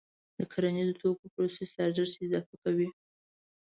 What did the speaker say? د کرنیزو توکو پروسس د ارزښت اضافه کوي.